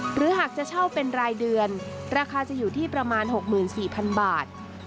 หรือหากจะเช่าเป็นรายเดือนราคาจะอยู่ที่ประมาณ๖๔๐๐๐บาท